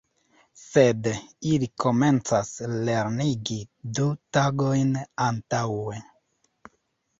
Sed ili komencas lernegi du tagojn antaŭe.